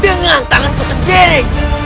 dengan tanganku sendiri